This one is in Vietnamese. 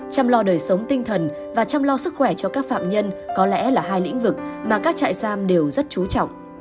chăm lo đời sống tinh thần và chăm lo sức khỏe cho các phạm nhân có lẽ là hai lĩnh vực mà các trại giam đều rất trú trọng